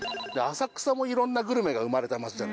浅草もいろんなグルメが生まれた町。